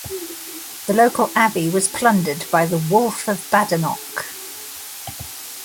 The local abbey was plundered by the Wolf of Badenoch.